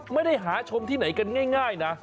ไม่ได้หาชมที่ไหนกันง่ายนะ